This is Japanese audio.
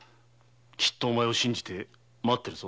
きっとお前を信じて待ってるぞ。